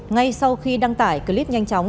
ngay sau khi đăng tải clip nhanh chóng